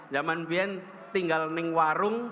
zaman dulu tinggal di warung